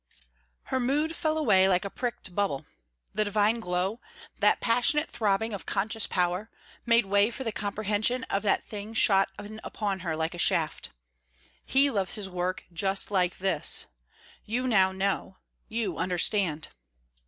Her mood fell away like a pricked bubble. The divine glow, that passionate throbbing of conscious power, made way for the comprehension of that thing shot in upon her like a shaft. "He loves his work just like this. You know now. You understand."